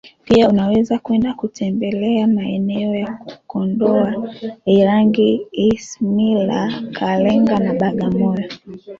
Pia unaweza kwenda kutembelea maeneo ya Kondoa irangi Isimila Kalenga na Bagamoyo